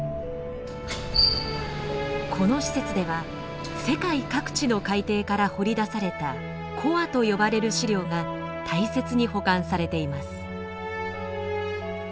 この施設では世界各地の海底から掘り出されたコアと呼ばれる試料が大切に保管されています。